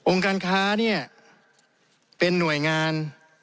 การค้าเนี่ยเป็นหน่วยงาน